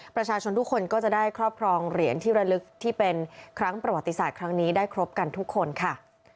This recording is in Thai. ประชาชนทุกคนก็จะได้ครอบครองเหรียญที่ระลึกที่เป็นครั้งประวัติศาสตร์ครั้งนี้ได้ครบกันทุกคนค่ะ